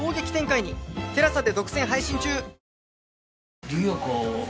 ＴＥＬＡＳＡ で独占配信中！